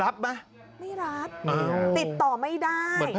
รับไหมไม่รับติดต่อไม่ได้